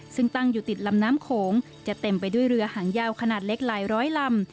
ซึ่งตั้งอยู่ติดลำน้ำโขงจะเต็มไปด้วยเรือหางยาวขนาดเล็กหลายร้อยลำ